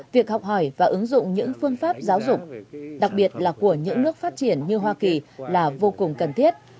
việc học hỏi và ứng dụng những phương pháp giáo dục đặc biệt là của những nước phát triển như hoa kỳ là vô cùng cần thiết